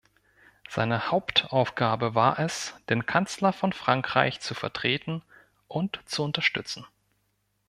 Seine Hauptaufgabe war es, den Kanzler von Frankreich zu vertreten und zu unterstützen.